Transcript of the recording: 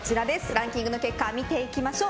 ランキングの結果を見ていきましょう。